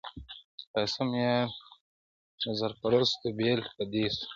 قاسم یار له زر پرستو بېل په دې سو,